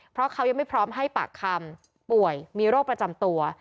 เพราะเขายังไม่พร้อมให้ปากคำป่วยมีโรคประจำตัว